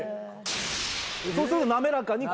そうすると滑らかに。